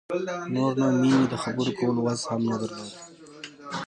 نور نو مينې د خبرو کولو وس هم نه درلود.